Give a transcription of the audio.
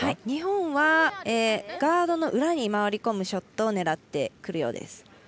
日本はガードの裏に回り込むショットを狙ってくるようです。